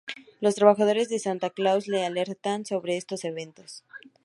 Los trabajadores de Santa Claus le alertan sobre estos eventos.